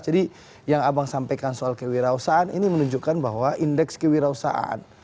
jadi yang abang sampaikan soal kewirausahaan ini menunjukkan bahwa indeks kewirausahaan